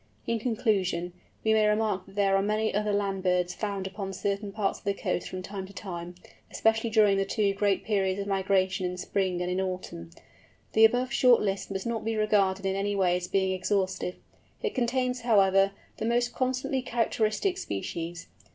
In conclusion, we may remark that there are many other land birds found upon certain parts of the coast from time to time, especially during the two great periods of migration in spring and in autumn. The above short list must not be regarded in any way as being exhaustive. It contains, however, the most constantly characteristic species.